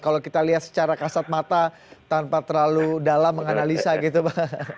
kalau kita lihat secara kasat mata tanpa terlalu dalam menganalisa gitu pak